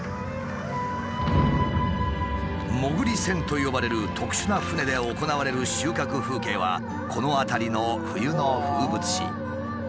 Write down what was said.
「もぐり船」と呼ばれる特殊な船で行われる収穫風景はこの辺りの冬の風物詩。